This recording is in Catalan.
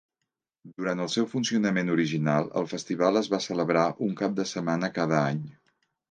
Durant el seu funcionament original, el festival es va celebrar un cap de setmana cada any.